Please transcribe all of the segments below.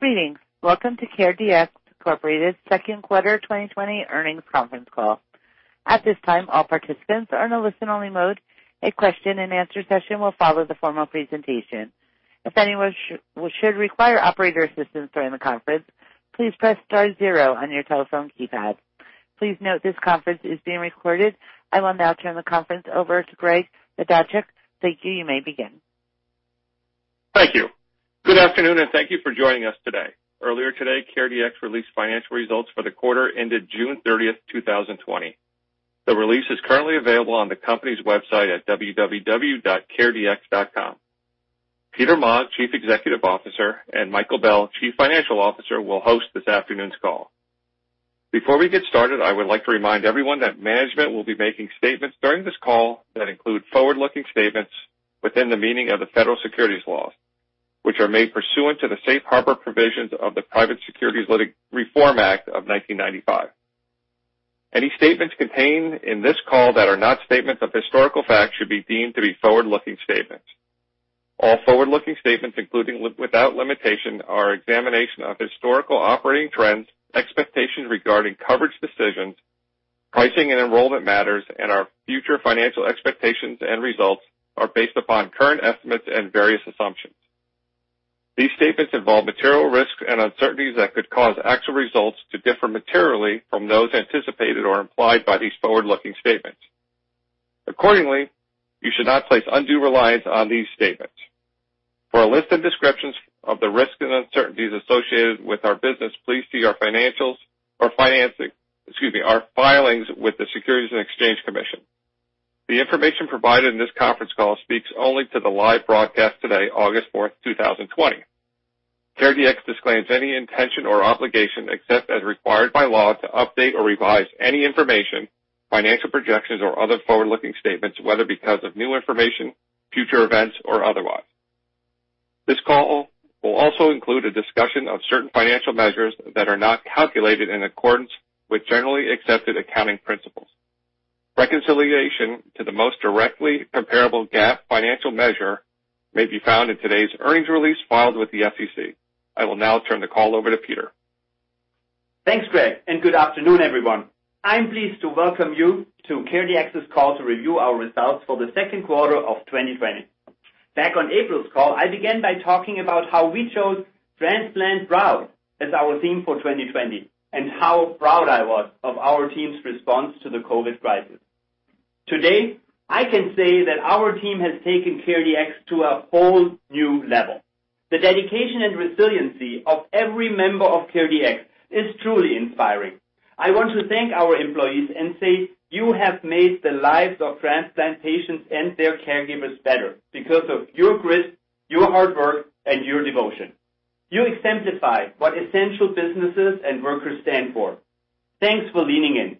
Greetings. Welcome to CareDx Incorporated's second quarter 2020 earnings conference call. At this time, all participants are in a listen-only mode. A question-and-answer session will follow the formal presentation. If anyone should require operator assistance during the conference, please press star zero on your telephone keypad. Please note this conference is being recorded. I will now turn the conference over to Greg Chodaczek. Thank you. You may begin. Thank you. Good afternoon, and thank you for joining us today. Earlier today, CareDx released financial results for the quarter ended June 30th, 2020. The release is currently available on the company's website at www.caredx.com. Peter Maag, Chief Executive Officer, and Michael Bell, Chief Financial Officer, will host this afternoon's call. Before we get started, I would like to remind everyone that management will be making statements during this call that include forward-looking statements within the meaning of the federal securities laws, which are made pursuant to the safe harbor provisions of the Private Securities Litigation Reform Act of 1995. Any statements contained in this call that are not statements of historical fact should be deemed to be forward-looking statements. All forward-looking statements, including, without limitation, our examination of historical operating trends, expectations regarding coverage decisions, pricing and enrollment matters, and our future financial expectations and results, are based upon current estimates and various assumptions. These statements involve material risks and uncertainties that could cause actual results to differ materially from those anticipated or implied by these forward-looking statements. Accordingly, you should not place undue reliance on these statements. For a list of descriptions of the risks and uncertainties associated with our business, please see our filings with the Securities and Exchange Commission. The information provided in this conference call speaks only to the live broadcast today, August 4th, 2020. CareDx disclaims any intention or obligation, except as required by law, to update or revise any information, financial projections, or other forward-looking statements, whether because of new information, future events, or otherwise. This call will also include a discussion of certain financial measures that are not calculated in accordance with generally accepted accounting principles. Reconciliation to the most directly comparable GAAP financial measure may be found in today's earnings release filed with the SEC. I will now turn the call over to Peter. Thanks, Greg, and good afternoon, everyone. I'm pleased to welcome you to CareDx's call to review our results for the second quarter of 2020. Back on April's call, I began by talking about how we chose Transplant Proud as our theme for 2020 and how proud I was of our team's response to the COVID crisis. Today, I can say that our team has taken CareDx to a whole new level. The dedication and resiliency of every member of CareDx is truly inspiring. I want to thank our employees and say you have made the lives of transplant patients and their caregivers better because of your grit, your hard work, and your devotion. You exemplify what essential businesses and workers stand for. Thanks for leaning in.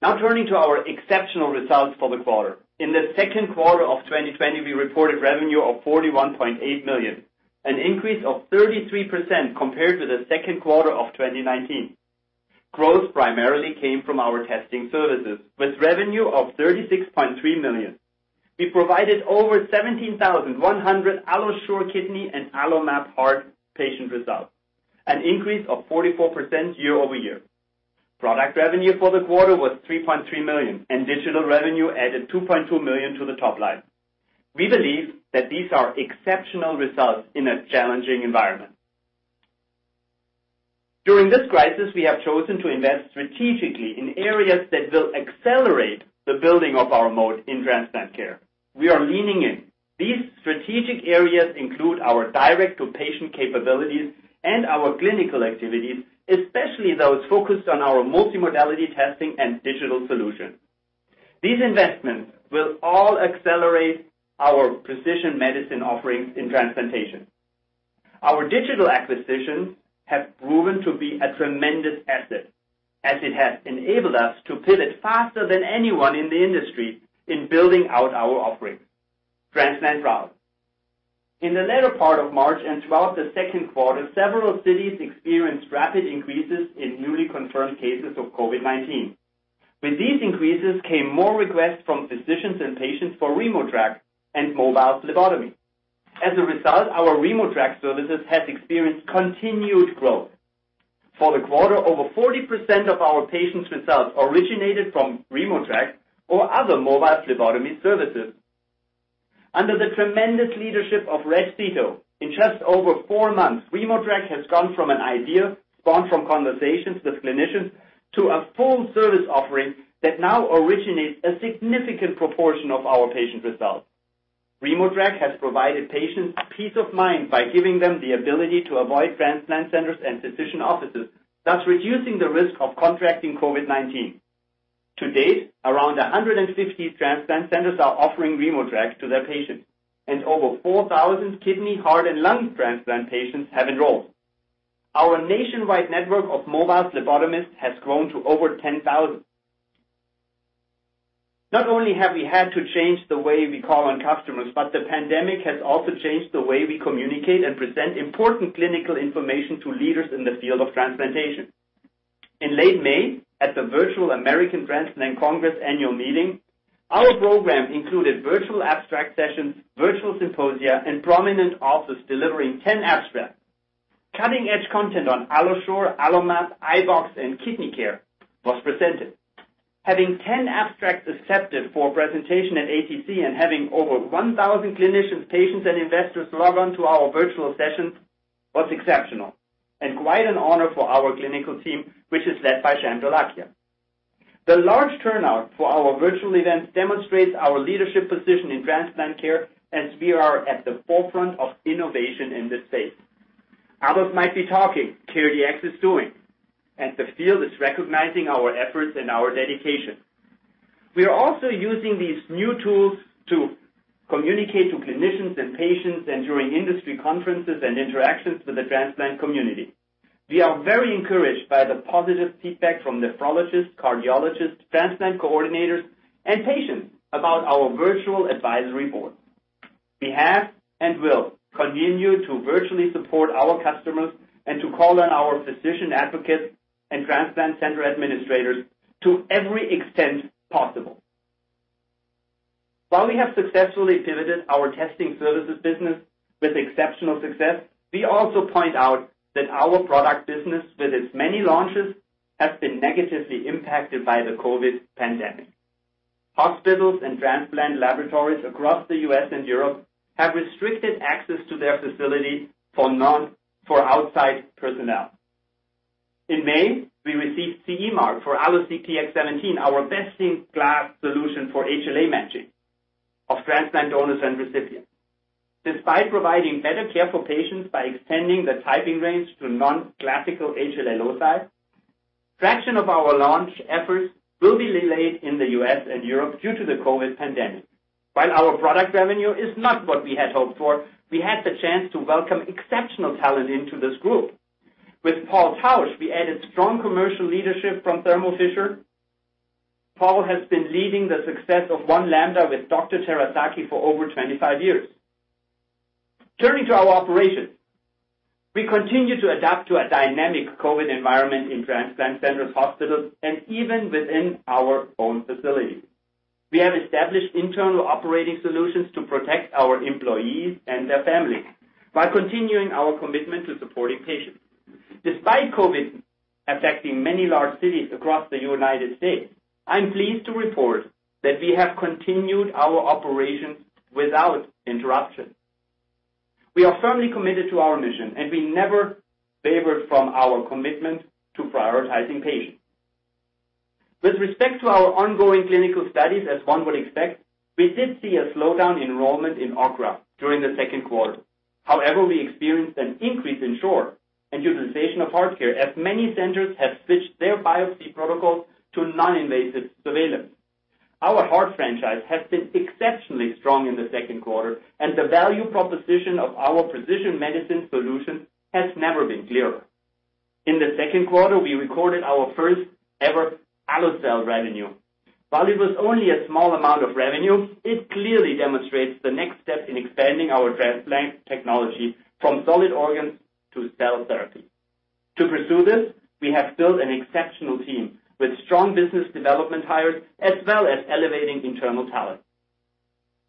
Now turning to our exceptional results for the quarter. In the second quarter of 2020, we reported revenue of $41.8 million, an increase of 33% compared to the second quarter of 2019. Growth primarily came from our testing services, with revenue of $36.3 million. We provided over 17,100 AlloSure Kidney and AlloMap Heart patient results, an increase of 44% year-over-year. Product revenue for the quarter was $3.3 million, and digital revenue added $2.2 million to the top line. We believe that these are exceptional results in a challenging environment. During this crisis, we have chosen to invest strategically in areas that will accelerate the building of our mode in transplant care. We are leaning in. These strategic areas include our direct-to-patient capabilities and our clinical activities, especially those focused on our multimodality testing and digital solutions. These investments will all accelerate our precision medicine offerings in transplantation. Our digital acquisitions have proven to be a tremendous asset as it has enabled us to pivot faster than anyone in the industry in building out our offerings. Transplant Proud. In the latter part of March and throughout the second quarter, several cities experienced rapid increases in newly confirmed cases of COVID-19. With these increases came more requests from physicians and patients for RemoTraC and mobile phlebotomy. As a result, our RemoTraC services have experienced continued growth. For the quarter, over 40% of our patients' results originated from RemoTraC or other mobile phlebotomy services. Under the tremendous leadership of Reg Seeto, in just over four months, RemoTraC has gone from an idea spawned from conversations with clinicians to a full service offering that now originates a significant proportion of our patient results. RemoTraC has provided patients peace of mind by giving them the ability to avoid transplant centers and physician offices, thus reducing the risk of contracting COVID-19. To date, around 150 transplant centers are offering RemoTraC to their patients, and over 4,000 kidney, heart, and lung transplant patients have enrolled. Our nationwide network of mobile phlebotomists has grown to over 10,000. Not only have we had to change the way we call on customers, but the pandemic has also changed the way we communicate and present important clinical information to leaders in the field of transplantation. In late May, at the virtual American Transplant Congress annual meeting, our program included virtual abstract sessions, virtual symposia, and prominent authors delivering 10 abstracts. Cutting-edge content on AlloSure, AlloMap, iBox, and KidneyCare was presented. Having 10 abstracts accepted for presentation at ATC and having over 1,000 clinicians, patients, and investors log on to our virtual sessions was exceptional and quite an honor for our clinical team, which is led by Sham Dholakia. The large turnout for our virtual event demonstrates our leadership position in transplant care, as we are at the forefront of innovation in this space. Others might be talking, CareDx is doing, and the field is recognizing our efforts and our dedication. We are also using these new tools to communicate to clinicians and patients and during industry conferences and interactions with the transplant community. We are very encouraged by the positive feedback from nephrologists, cardiologists, transplant coordinators, and patients about our virtual advisory board. We have, and will, continue to virtually support our customers and to call on our physician advocates and transplant center administrators to every extent possible. While we have successfully pivoted our testing services business with exceptional success, we also point out that our product business, with its many launches, has been negatively impacted by the COVID pandemic. Hospitals and transplant laboratories across the U.S. and Europe have restricted access to their facilities for outside personnel. In May, we received CE mark for AlloSeq Tx 17, our best-in-class solution for HLA matching of transplant donors and recipients. Despite providing better care for patients by extending the typing range to non-classical HLA loci, traction of our launch efforts will be delayed in the U.S. and Europe due to the COVID pandemic. While our product revenue is not what we had hoped for, we had the chance to welcome exceptional talent into this group. With Paul Tausch, we added strong commercial leadership from Thermo Fisher. Paul has been leading the success of One Lambda with Dr. Terasaki for over 25 years. Turning to our operations. We continue to adapt to a dynamic COVID environment in transplant centers, hospitals, and even within our own facility. We have established internal operating solutions to protect our employees and their families while continuing our commitment to supporting patients. Despite COVID affecting many large cities across the United States, I'm pleased to report that we have continued our operations without interruption. We are firmly committed to our mission, and we never waver from our commitment to prioritizing patients. With respect to our ongoing clinical studies, as one would expect, we did see a slowdown in enrollment in OKRA during the second quarter. However, we experienced an increase in AlloSure and utilization of HeartCare as many centers have switched their biopsy protocols to non-invasive surveillance. Our heart franchise has been exceptionally strong in the second quarter, and the value proposition of our precision medicine solution has never been clearer. In the second quarter, we recorded our first ever AlloCell revenue. While it was only a small amount of revenue, it clearly demonstrates the next step in expanding our transplant technology from solid organs to cell therapy. To pursue this, we have built an exceptional team with strong business development hires, as well as elevating internal talent.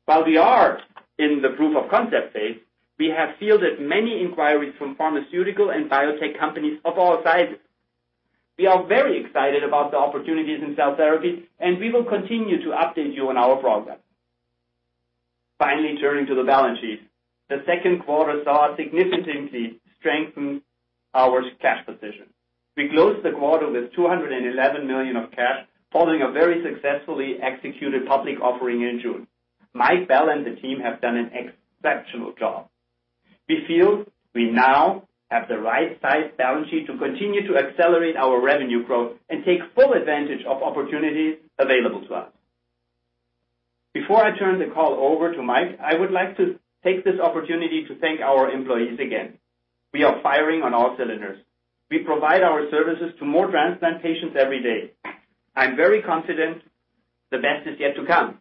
While we are in the proof of concept phase, we have fielded many inquiries from pharmaceutical and biotech companies of all sizes. We are very excited about the opportunities in cell therapy, and we will continue to update you on our progress. Finally, turning to the balance sheet. The second quarter saw us significantly strengthen our cash position. We closed the quarter with $211 million of cash, following a very successfully executed public offering in June. Mike Bell and the team have done an exceptional job. We feel we now have the right size balance sheet to continue to accelerate our revenue growth and take full advantage of opportunities available to us. Before I turn the call over to Mike, I would like to take this opportunity to thank our employees again. We are firing on all cylinders. We provide our services to more transplant patients every day. I'm very confident the best is yet to come.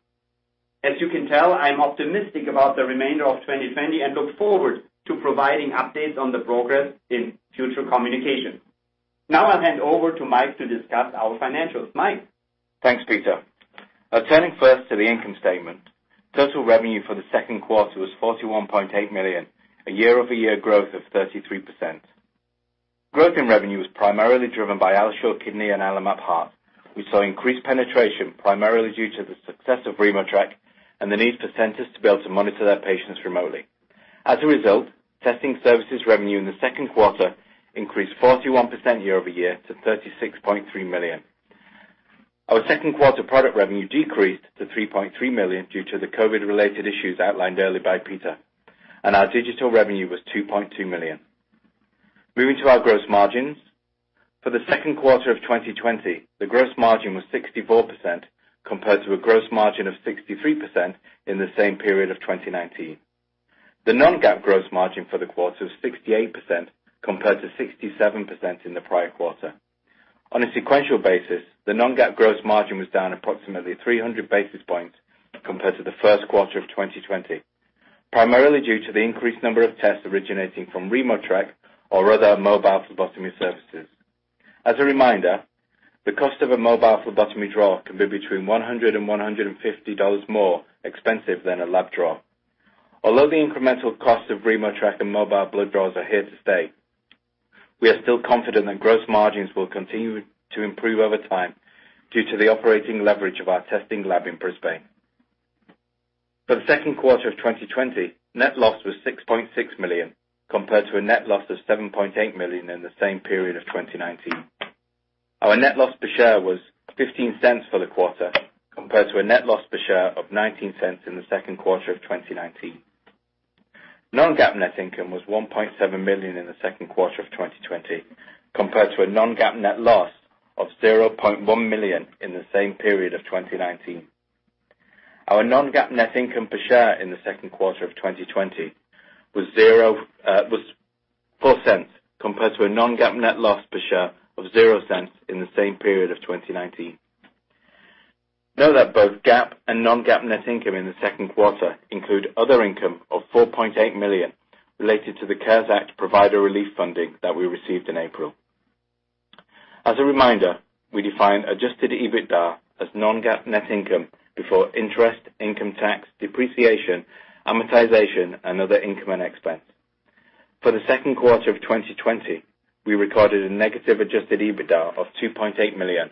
As you can tell, I'm optimistic about the remainder of 2020 and look forward to providing updates on the progress in future communication. Now I'll hand over to Mike to discuss our financials. Mike? Thanks, Peter. Turning first to the income statement. Total revenue for the second quarter was $41.8 million, a year-over-year growth of 33%. Growth in revenue was primarily driven by AlloSure Kidney and AlloMap Heart. We saw increased penetration, primarily due to the success of RemoTraC and the need for centers to be able to monitor their patients remotely. As a result, testing services revenue in the second quarter increased 41% year-over-year to $36.3 million. Our second quarter product revenue decreased to $3.3 million due to the COVID-related issues outlined earlier by Peter, and our digital revenue was $2.2 million. Moving to our gross margins. For the second quarter of 2020, the gross margin was 64%, compared to a gross margin of 63% in the same period of 2019. The non-GAAP gross margin for the quarter was 68%, compared to 67% in the prior quarter. On a sequential basis, the non-GAAP gross margin was down approximately 300 basis points compared to the first quarter of 2020. Primarily due to the increased number of tests originating from RemoTraC or other mobile phlebotomy services. As a reminder, the cost of a mobile phlebotomy draw can be between $100 and $150 more expensive than a lab draw. Although the incremental cost of RemoTraC and mobile blood draws are here to stay, we are still confident that gross margins will continue to improve over time due to the operating leverage of our testing lab in Brisbane. For the second quarter of 2020, net loss was $6.6 million, compared to a net loss of $7.8 million in the same period of 2019. Our net loss per share was $0.15 for the quarter, compared to a net loss per share of $0.19 in the second quarter of 2019. Non-GAAP net income was $1.7 million in the second quarter of 2020, compared to a non-GAAP net loss of $0.1 million in the same period of 2019. Our non-GAAP net income per share in the second quarter of 2020 was $0.04, compared to a non-GAAP net loss per share of $0.00 in the same period of 2019. Note that both GAAP and non-GAAP net income in the second quarter include other income of $4.8 million related to the CARES Act provider relief funding that we received in April. As a reminder, we define adjusted EBITDA as non-GAAP net income before interest, income tax, depreciation, amortization, and other income and expense. For the second quarter of 2020, we recorded a negative adjusted EBITDA of $2.8 million,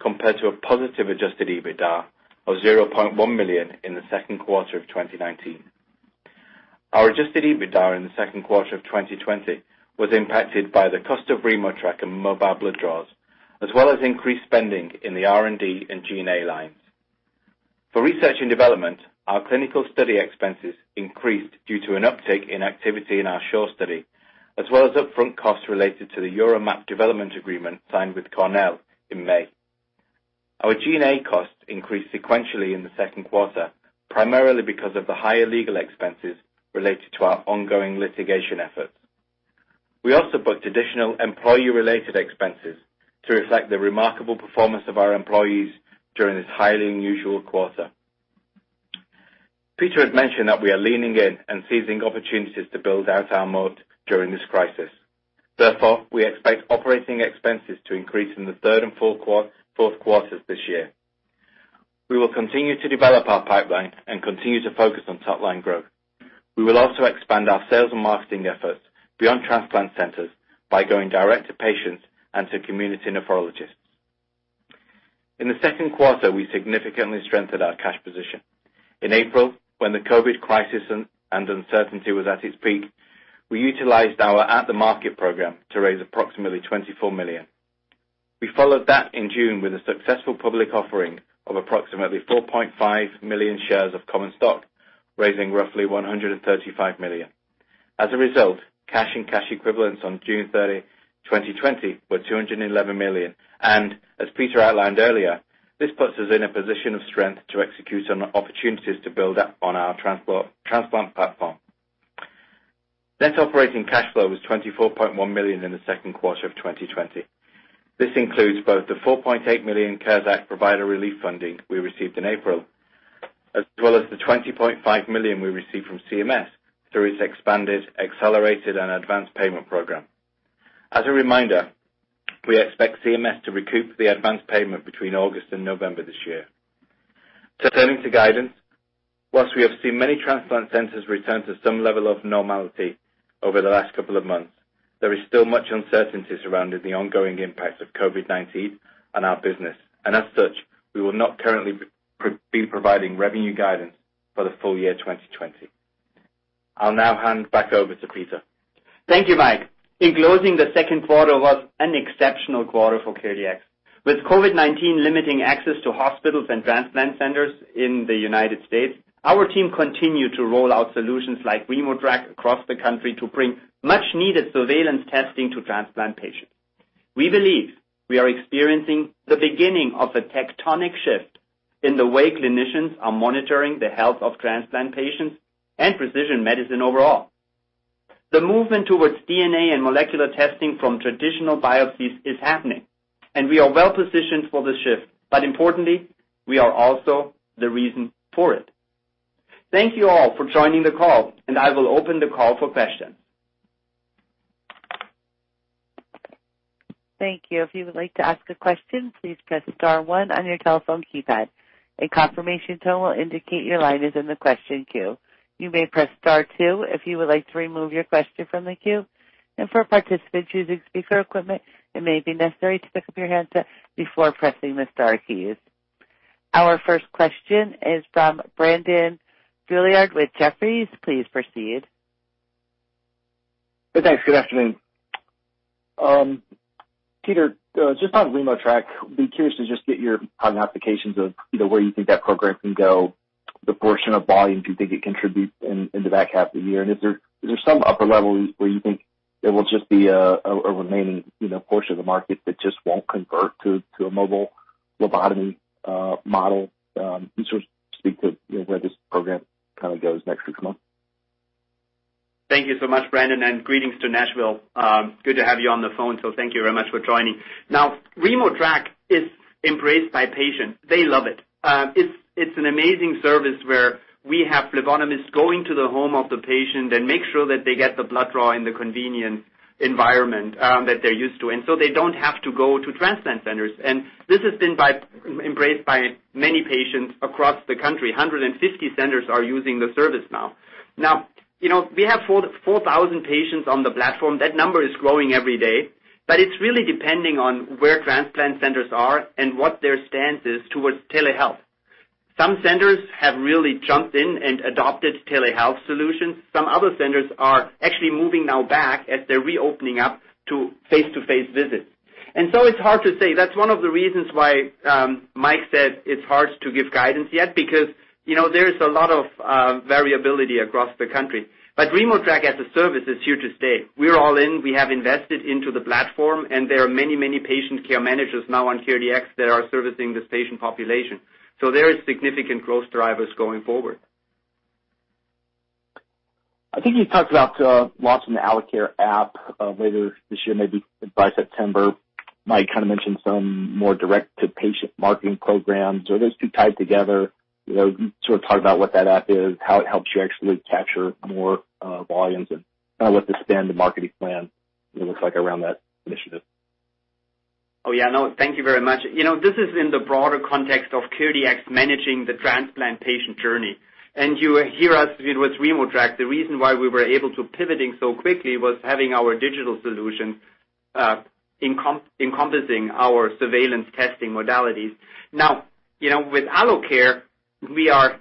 compared to a positive adjusted EBITDA of $0.1 million in the second quarter of 2019. Our adjusted EBITDA in the second quarter of 2020 was impacted by the cost of RemoTraC and mobile blood draws, as well as increased spending in the R&D and G&A lines. Research and development, our clinical study expenses increased due to an uptick in activity in our SHORE study, as well as upfront costs related to the UroMap development agreement signed with Cornell in May. Our G&A costs increased sequentially in the second quarter, primarily because of the higher legal expenses related to our ongoing litigation efforts. We also booked additional employee-related expenses to reflect the remarkable performance of our employees during this highly unusual quarter. Peter had mentioned that we are leaning in and seizing opportunities to build out our moat during this crisis. We expect operating expenses to increase in the third and fourth quarters this year. We will continue to develop our pipeline and continue to focus on top-line growth. We will also expand our sales and marketing efforts beyond transplant centers by going direct to patients and to community nephrologists. In the second quarter, we significantly strengthened our cash position. In April, when the COVID crisis and uncertainty was at its peak, we utilized our at-the-market program to raise approximately $24 million. We followed that in June with a successful public offering of approximately 4.5 million shares of common stock, raising roughly $135 million. As a result, cash and cash equivalents on June 30, 2020, were $211 million, and as Peter outlined earlier, this puts us in a position of strength to execute on opportunities to build up on our transplant platform. Net operating cash flow was $24.1 million in the second quarter of 2020. This includes both the $4.8 million CARES Act provider relief funding we received in April, as well as the $20.5 million we received from CMS through its expanded, accelerated, and advanced payment program. As a reminder, we expect CMS to recoup the advanced payment between August and November this year. Turning to guidance, whilst we have seen many transplant centers return to some level of normality over the last couple of months, there is still much uncertainty surrounding the ongoing impact of COVID-19 on our business, and as such, we will not currently be providing revenue guidance for the full year 2020. I'll now hand back over to Peter. Thank you, Mike. In closing, the second quarter was an exceptional quarter for CareDx. With COVID-19 limiting access to hospitals and transplant centers in the U.S., our team continued to roll out solutions like RemoTraC across the country to bring much-needed surveillance testing to transplant patients. We believe we are experiencing the beginning of a tectonic shift in the way clinicians are monitoring the health of transplant patients and precision medicine overall. The movement towards DNA and molecular testing from traditional biopsies is happening, and we are well positioned for this shift, but importantly, we are also the reason for it. Thank you all for joining the call, and I will open the call for questions. Thank you. If you would like to ask a question, please press star one on your telephone keypad. A confirmation tone will indicate your line is in the question queue. You may press star two if you would like to remove your question from the queue. For participants using speaker equipment, it may be necessary to pick up your handset before pressing the star keys. Our first question is from Brandon Couillard with Jefferies. Please proceed. Thanks. Good afternoon. Peter, just on RemoTraC, I'd be curious to just get your quantifications of where you think that program can go, the portion of volume you think it contributes in the back half of the year, and is there some upper level where you think it will just be a remaining portion of the market that just won't convert to a mobile phlebotomy model? Can you sort of speak to where this program kind of goes next few months? Thank you so much, Brandon. Greetings to Nashville. Good to have you on the phone. Thank you very much for joining. RemoTraC is embraced by patients. They love it. It's an amazing service where we have phlebotomists going to the home of the patient and make sure that they get the blood draw in the convenient environment that they're used to. They don't have to go to transplant centers. This has been embraced by many patients across the country. 150 centers are using the service now. We have 4,000 patients on the platform. That number is growing every day. It's really depending on where transplant centers are and what their stance is towards telehealth. Some centers have really jumped in and adopted telehealth solutions. Some other centers are actually moving now back as they're reopening up to face-to-face visits. It's hard to say. That's one of the reasons why Mike said it's hard to give guidance yet because there is a lot of variability across the country. RemoTraC as a service is here to stay. We're all in. We have invested into the platform, and there are many patient care managers now on CareDx that are servicing this patient population. There is significant growth drivers going forward. I think you talked about launching the AlloCare app later this year, maybe by September. Mike kind of mentioned some more direct-to-patient marketing programs. Are those two tied together? Can you talk about what that app is, how it helps you actually capture more volumes, and what the span to marketing plan looks like around that initiative? Oh, yeah. No, thank you very much. This is in the broader context of CareDx managing the transplant patient journey. You hear us with RemoTraC, the reason why we were able to pivoting so quickly was having our digital solution encompassing our surveillance testing modalities. Now, with AlloCare, we are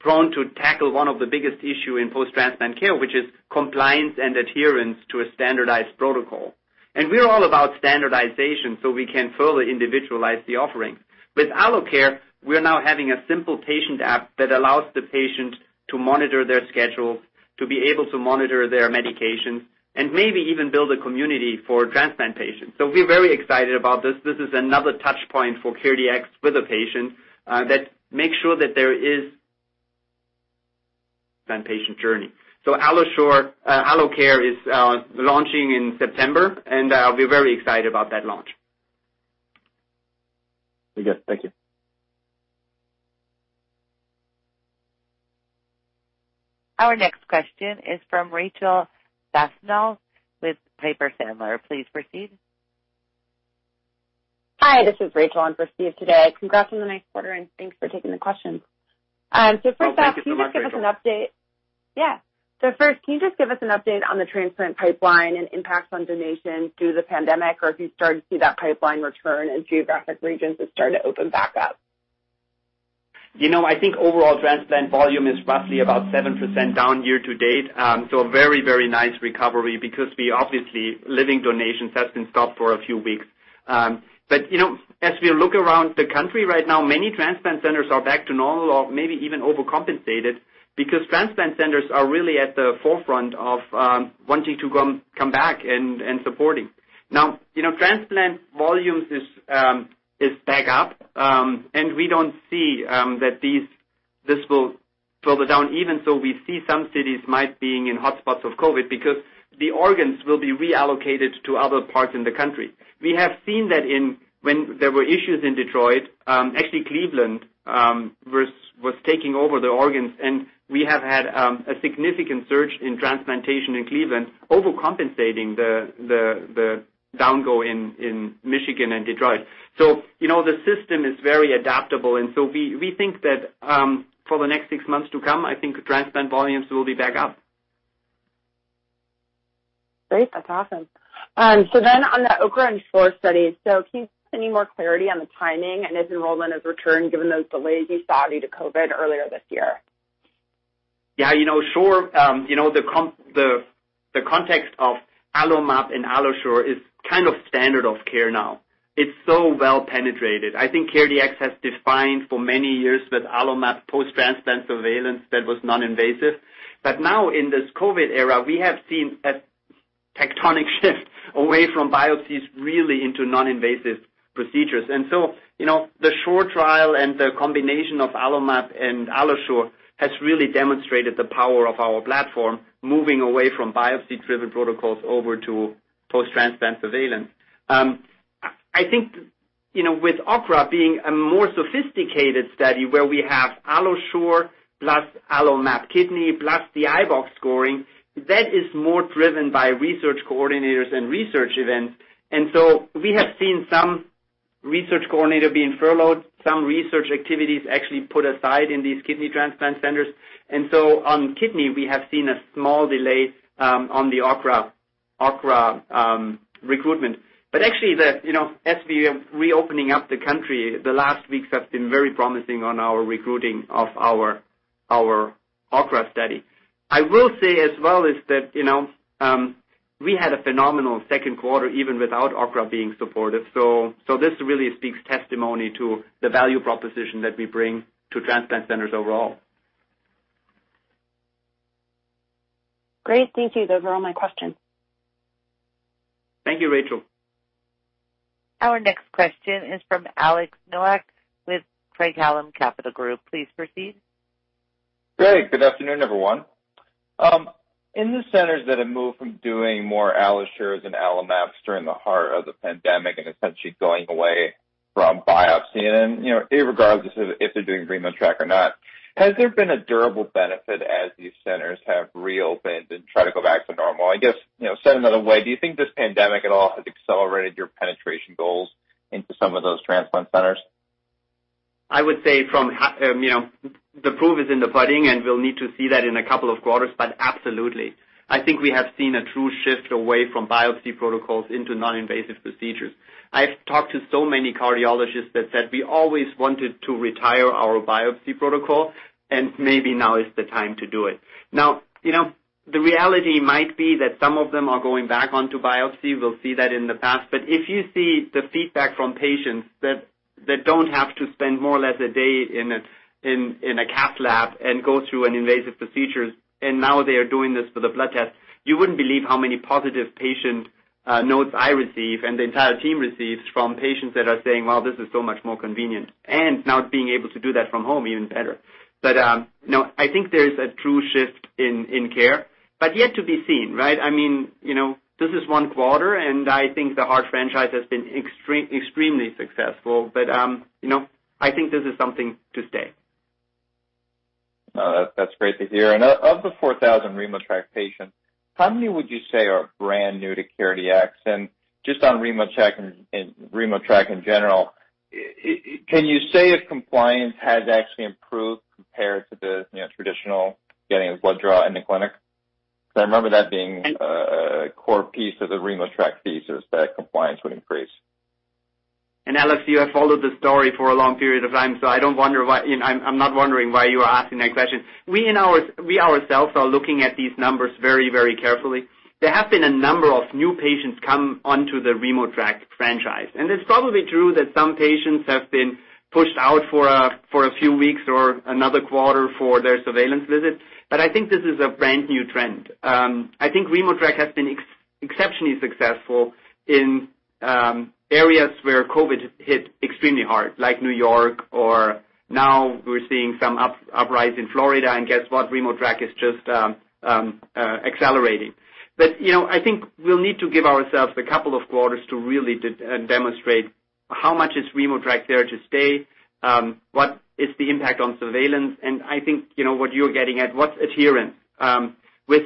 prone to tackle one of the biggest issue in post-transplant care, which is compliance and adherence to a standardized protocol. We're all about standardization, so we can further individualize the offerings. With AlloCare, we're now having a simple patient app that allows the patient to monitor their schedules, to be able to monitor their medications, and maybe even build a community for transplant patients. We're very excited about this. This is another touchpoint for CareDx with a patient that makes sure that there is patient journey. AlloCare is launching in September, and we're very excited about that launch. Very good. Thank you. Our next question is from Rachel Vatnsdal with Piper Sandler. Please proceed. Hi, this is Rachel. I'm with you today. Congrats on the nice quarter, and thanks for taking the questions. Oh, thank you so much, Rachel. Yeah. First, can you just give us an update on the transplant pipeline and impacts on donations due to the pandemic, or if you're starting to see that pipeline return in geographic regions that are starting to open back up? I think overall transplant volume is roughly about 7% down year to date. A very nice recovery because we obviously, living donations has been stopped for a few weeks. As we look around the country right now, many transplant centers are back to normal or maybe even overcompensated because transplant centers are really at the forefront of wanting to come back and supporting. Transplant volumes is back up, and we don't see that this will further down, even though we see some cities might being in hotspots of COVID because the organs will be reallocated to other parts in the country. We have seen that in when there were issues in Detroit, actually Cleveland was taking over the organs, and we have had a significant surge in transplantation in Cleveland, overcompensating the down go in Michigan and Detroit. The system is very adaptable, and so we think that for the next six months to come, I think transplant volumes will be back up. Great. That's awesome. On the OCRA and SHORE studies, so can you give any more clarity on the timing and as enrollment has returned given those delays you saw due to COVID earlier this year? Yeah. SHORE, the context of AlloMap and AlloSure is kind of standard of care now. It's so well penetrated. I think CareDx has defined for many years that AlloMap post-transplant surveillance that was non-invasive. Now in this COVID era, we have seen a tectonic shift away from biopsies really into non-invasive procedures. The SHORE trial and the combination of AlloMap and AlloSure has really demonstrated the power of our platform moving away from biopsy-driven protocols over to post-transplant surveillance. I think, with OCRA being a more sophisticated study where we have AlloSure plus AlloMap Kidney plus the iBox scoring, that is more driven by research coordinators and research events. We have seen some research coordinator being furloughed, some research activities actually put aside in these kidney transplant centers. On kidney, we have seen a small delay on the OCRA recruitment. Actually, as we are reopening up the country, the last weeks have been very promising on our recruiting of our OCRA study. I will say as well is that we had a phenomenal second quarter even without OCRA being supported. This really speaks testimony to the value proposition that we bring to transplant centers overall. Great. Thank you. Those are all my questions. Thank you, Rachel. Our next question is from Alex Nowak with Craig-Hallum Capital Group. Please proceed. Great. Good afternoon, everyone. In the centers that have moved from doing more AlloSures and AlloMaps during the heart of the pandemic and essentially going away from biopsy, regardless of if they're doing RemoTraC or not, has there been a durable benefit as these centers have reopened and try to go back to normal? I guess, said another way, do you think this pandemic at all has accelerated your penetration goals into some of those transplant centers? I would say the proof is in the pudding, and we'll need to see that in a couple of quarters. Absolutely. I think we have seen a true shift away from biopsy protocols into non-invasive procedures. I've talked to so many cardiologists that said, "We always wanted to retire our biopsy protocol, and maybe now is the time to do it." Now, the reality might be that some of them are going back onto biopsy. We'll see that in the past. If you see the feedback from patients that don't have to spend more or less a day in a cath lab and go through an invasive procedure, now they are doing this for the blood test, you wouldn't believe how many positive patient notes I receive and the entire team receives from patients that are saying, "Wow, this is so much more convenient." Now being able to do that from home, even better. No, I think there's a true shift in care, but yet to be seen, right? This is one quarter, I think the heart franchise has been extremely successful. I think this is something to stay. That's great to hear. Of the 4,000 RemoTraC patients, how many would you say are brand new to CareDx? Just on RemoTraC in general, can you say if compliance has actually improved compared to the traditional getting a blood draw in the clinic? Because I remember that being a core piece of the RemoTraC thesis, that compliance would increase. Alex, you have followed the story for a long period of time, so I'm not wondering why you are asking that question. We ourselves are looking at these numbers very carefully. There have been a number of new patients come onto the RemoTraC franchise. It's probably true that some patients have been pushed out for a few weeks or another quarter for their surveillance visit. I think this is a brand-new trend. I think RemoTraC has been exceptionally successful in areas where COVID hit extremely hard, like New York, or now we're seeing some uprise in Florida. Guess what? RemoTraC is just accelerating. I think we'll need to give ourselves a couple of quarters to really demonstrate how much is RemoTraC there to stay, what is the impact on surveillance, and I think what you're getting at, what's adherence. With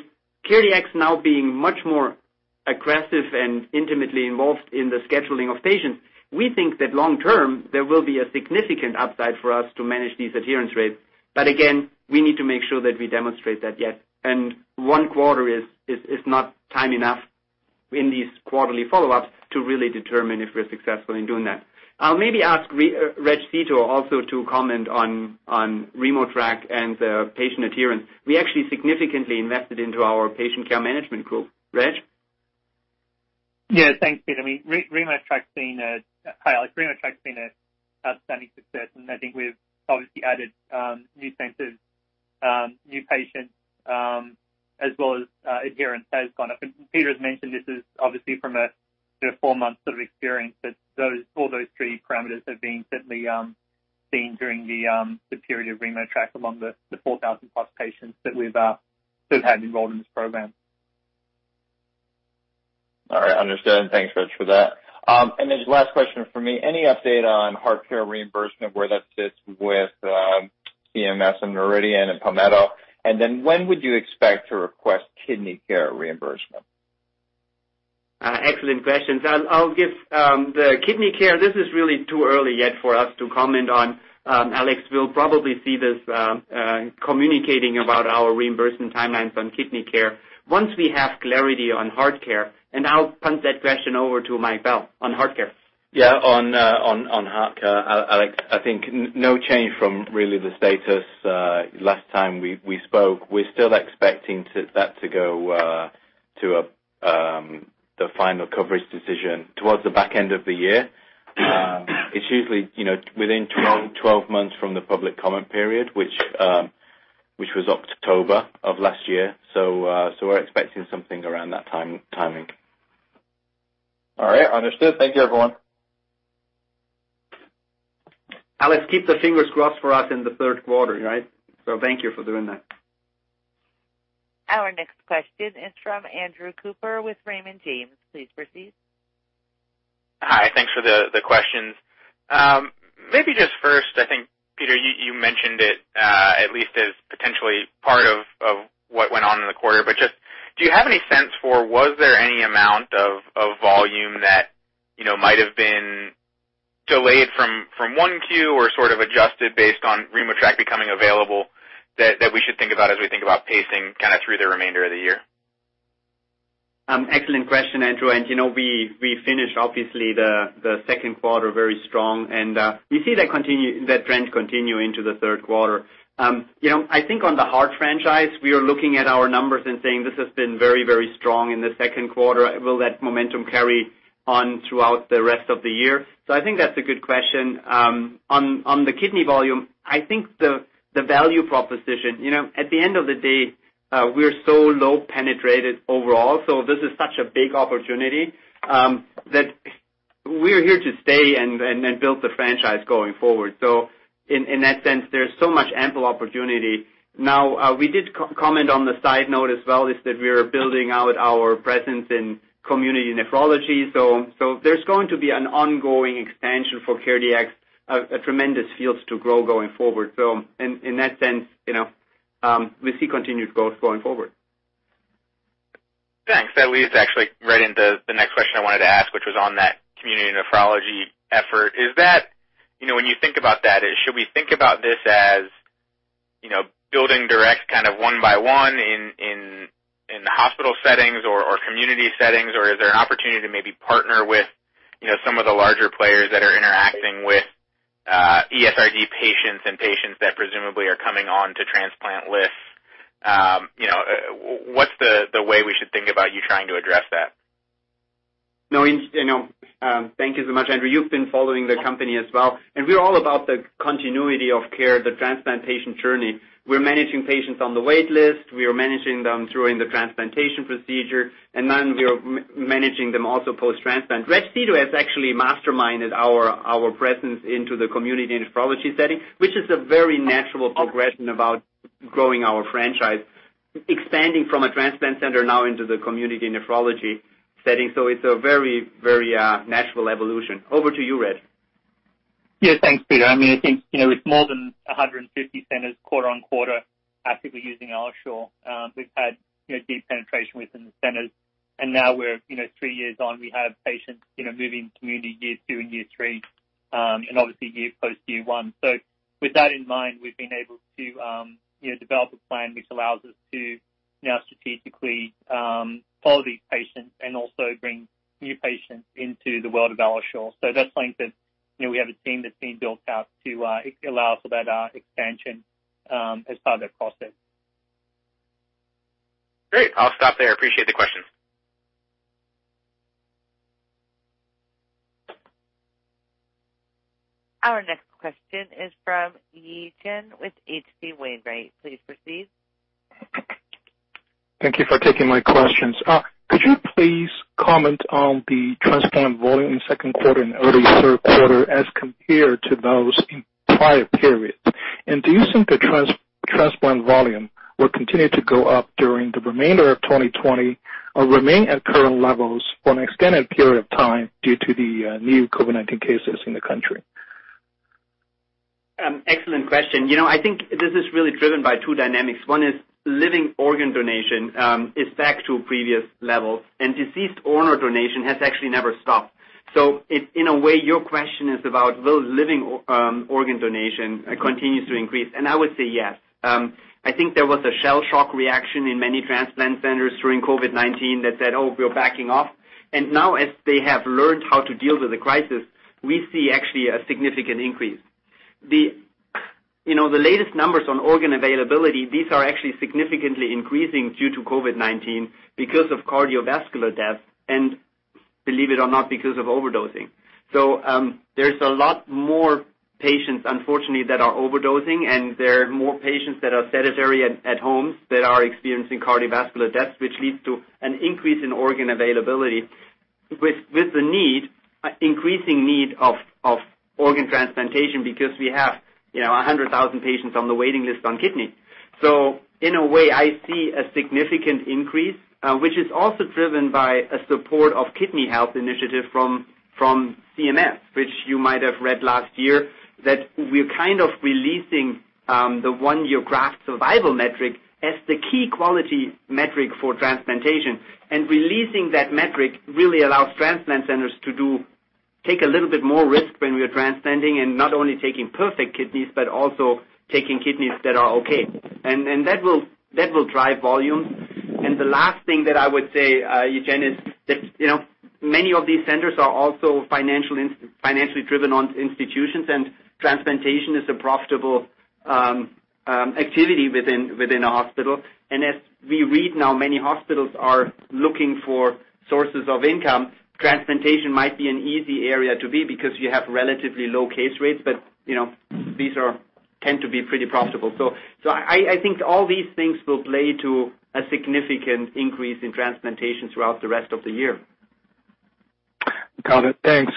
CareDx now being much more aggressive and intimately involved in the scheduling of patients, we think that long term, there will be a significant upside for us to manage these adherence rates. Again, we need to make sure that we demonstrate that yet, and one quarter is not time enough in these quarterly follow-ups to really determine if we're successful in doing that. I'll maybe ask Reg Seeto also to comment on RemoTraC and the patient adherence. We actually significantly invested into our patient care management group. Reg? Yeah, thanks, Peter. Hi, Alex. RemoTraC's been a outstanding success, and I think we've obviously added new centers, new patients, as well as adherence has gone up. Peter has mentioned this is obviously from a four-month sort of experience, that all those three parameters have been certainly seen during the period of RemoTraC among the 4,000-plus patients that we've had enrolled in this program. All right. Understood. Thanks, Reg, for that. Last question from me. Any update on HeartCare reimbursement, where that sits with CMS and Noridian and Palmetto? When would you expect to request KidneyCare reimbursement? Excellent questions. I'll give the KidneyCare. This is really too early yet for us to comment on, Alex. We'll probably see this communicating about our reimbursement timelines on KidneyCare once we have clarity on HeartCare. I'll punt that question over to Mike Bell on HeartCare. Yeah. On HeartCare, Alex, I think no change from really the status last time we spoke. We're still expecting that to go to the final coverage decision towards the back end of the year. It's usually within 12 months from the public comment period, which was October of last year. We're expecting something around that timing. All right. Understood. Thank you, everyone. Alex, keep the fingers crossed for us in the third quarter, right? Thank you for doing that. Our next question is from Andrew Cooper with Raymond James. Please proceed. Hi. Thanks for the questions. Maybe just first, I think, Peter, you mentioned it, at least as potentially part of what went on in the quarter, but just, do you have any sense for, was there any amount of volume that might have been delayed from 1Q or sort of adjusted based on RemoTraC becoming available that we should think about as we think about pacing kind of through the remainder of the year? Excellent question, Andrew. We finished, obviously, the second quarter very strong, and we see that trend continue into the third quarter. I think on the Heart franchise, we are looking at our numbers and saying, "This has been very strong in the second quarter. Will that momentum carry-on throughout the rest of the year." I think that's a good question. On the kidney volume, I think the value proposition, at the end of the day, we are so low penetrated overall. This is such a big opportunity that we're here to stay and build the franchise going forward. In that sense, there's so much ample opportunity. Now, we did comment on the side note as well, is that we are building out our presence in community nephrology. There's going to be an ongoing expansion for CareDx, a tremendous field to grow going forward. In that sense, we see continued growth going forward. Thanks. That leads actually right into the next question I wanted to ask, which was on that community nephrology effort. When you think about that, should we think about this as building direct kind of one by one in the hospital settings or community settings, or is there an opportunity to maybe partner with some of the larger players that are interacting with ESRD patients and patients that presumably are coming on to transplant lists? What's the way we should think about you trying to address that? Thank you so much, Andrew. You've been following the company as well. We are all about the continuity of care, the transplantation journey. We're managing patients on the wait list. We are managing them during the transplantation procedure. Then we are managing them also post-transplant. Reg Seeto has actually masterminded our presence into the community nephrology setting, which is a very natural progression about growing our franchise, expanding from a transplant center now into the community nephrology setting. It's a very natural evolution. Over to you, Reg. Yeah. Thanks, Peter. I think, with more than 150 centers quarter on quarter actively using AlloSure, we've had deep penetration within the centers, and now we're three years on. We have patients moving community year two and year three, and obviously post year one. With that in mind, we've been able to develop a plan which allows us to now strategically follow these patients and also bring new patients into the world of AlloSure. That's something that we have a team that's been built out to allow for that expansion as part of that process. Great. I'll stop there. Appreciate the question. Our next question is from Yi Chen with H.C. Wainwright. Please proceed. Thank you for taking my questions. Could you please comment on the transplant volume in second quarter and early third quarter as compared to those in prior periods? Do you think the transplant volume will continue to go up during the remainder of 2020 or remain at current levels for an extended period of time due to the new COVID-19 cases in the country? Excellent question. I think this is really driven by two dynamics. One is living organ donation is back to previous levels, and deceased donor donation has actually never stopped. In a way, your question is about will living organ donation continues to increase, and I would say yes. I think there was a shell shock reaction in many transplant centers during COVID-19 that said, "Oh, we are backing off." Now as they have learned how to deal with the crisis, we see actually a significant increase. The latest numbers on organ availability, these are actually significantly increasing due to COVID-19 because of cardiovascular death and believe it or not, because of overdosing. There's a lot more patients, unfortunately, that are overdosing, and there are more patients that are sedentary at home that are experiencing cardiovascular deaths, which leads to an increase in organ availability with the increasing need of organ transplantation because we have 100,000 patients on the waiting list on kidney. In a way, I see a significant increase, which is also driven by a support of kidney health initiative from CMS, which you might have read last year, that we're kind of releasing the one-year graft survival metric as the key quality metric for transplantation. Releasing that metric really allows transplant centers to take a little bit more risk when we are transplanting and not only taking perfect kidneys, but also taking kidneys that are okay. That will drive volume. The last thing that I would say, Yi Chen, is that many of these centers are also financially driven on institutions and transplantation is a profitable activity within a hospital. As we read now, many hospitals are looking for sources of income. Transplantation might be an easy area to be because you have relatively low case rates, but these tend to be pretty profitable. I think all these things will play to a significant increase in transplantation throughout the rest of the year. Got it. Thanks.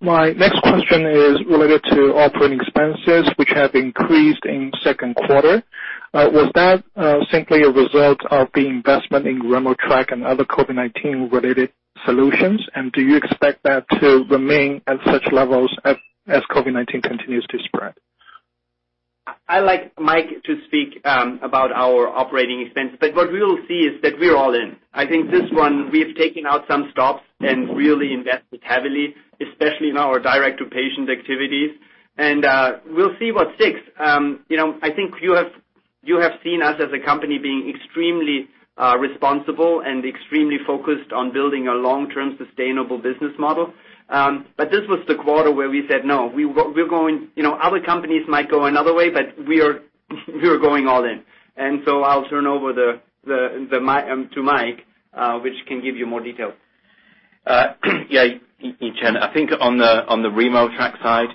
My next question is related to operating expenses, which have increased in second quarter. Was that simply a result of the investment in RemoTraC and other COVID-19 related solutions, and do you expect that to remain at such levels as COVID-19 continues to spread? I'd like Mike to speak about our Operating Expense, but what we will see is that we're all in. I think this one, we've taken out some stops and really invested heavily, especially in our direct-to-patient activities, and we'll see what sticks. I think you have seen us as a company being extremely responsible and extremely focused on building a long-term sustainable business model. This was the quarter where we said, "No, other companies might go another way, but we are going all in." I'll turn over to Mike, which can give you more detail. Yeah. Yi Chen, I think on the RemoTraC side,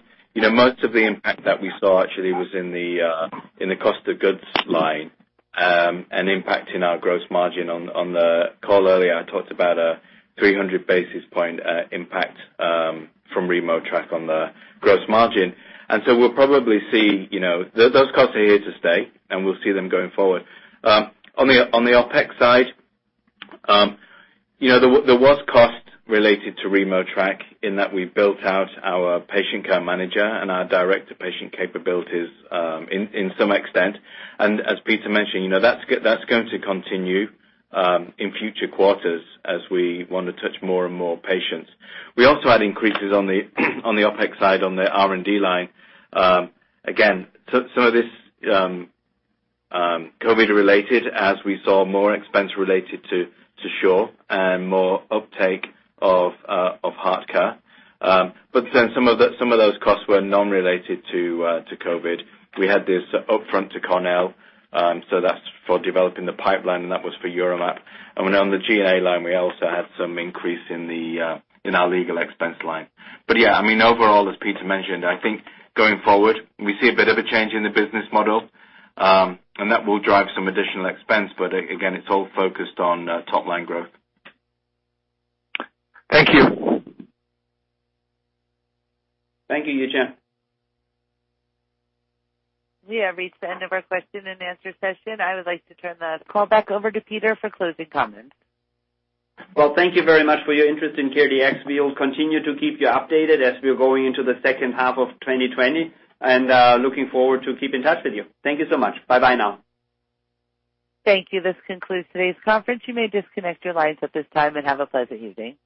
most of the impact that we saw actually was in the cost of goods line and impacting our gross margin. On the call earlier, I talked about a 300 basis point impact from RemoTraC on the gross margin. Those costs are here to stay, and we'll see them going forward. On the OpEx side, there was cost related to RemoTraC in that we built out our patient care manager and our direct-to-patient capabilities in some extent. As Peter mentioned, that's going to continue in future quarters as we want to touch more and more patients. We also had increases on the OpEx side on the R&D line. Again, some of this COVID-related as we saw more expense related to Sure and more uptake of HeartCare. Some of those costs were non-related to COVID. We had this upfront to Cornell, that's for developing the pipeline, and that was for UroMap. On the G&A line, we also had some increase in our legal expense line. Yeah, overall, as Peter mentioned, I think going forward, we see a bit of a change in the business model, and that will drive some additional expense. Again, it's all focused on top-line growth. Thank you. Thank you, Yi Chen. We have reached the end of our question and answer session. I would like to turn the call back over to Peter for closing comments. Well, thank you very much for your interest in CareDx. We will continue to keep you updated as we are going into the second half of 2020, and looking forward to keep in touch with you. Thank you so much. Bye bye now. Thank you. This concludes today's conference. You may disconnect your lines at this time, and have a pleasant evening.